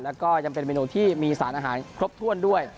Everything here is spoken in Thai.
แล้วก็ยังเป็นเมนูที่มีสารอาหารครบถ้วนด้วย